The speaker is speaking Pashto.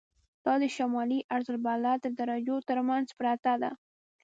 دا د شمالي عرض البلد تر درجو تر منځ پرته ده.